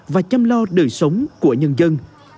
và chăm lo đời sống của nhân dân